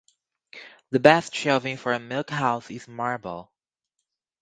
The best shelving for a milk-house is marble.